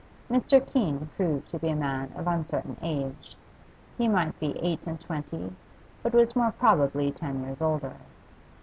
Mr. Keene proved to be a man of uncertain age he might be eight and twenty, but was more probably ten years older.